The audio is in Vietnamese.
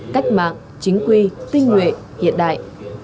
cách mạng chính quy tinh nguyện hiện đại